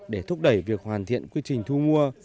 để thúc đẩy việc hoàn thiện quy trình thu mua